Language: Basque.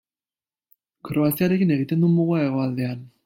Kroaziarekin egiten du muga hegoaldean.